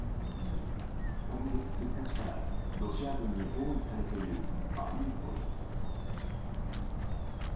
今月１日からロシア軍に包囲されているマリウポリ。